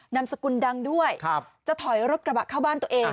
นามสกุลดังด้วยจะถอยรถกระบะเข้าบ้านตัวเอง